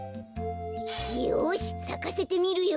よしさかせてみるよ。